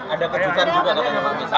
ada kejutan juga katanya pak